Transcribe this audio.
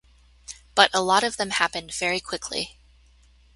But a lot of them happened very quickly.